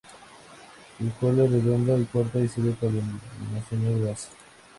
Su cola es redonda y corta y sirve para almacenar grasa.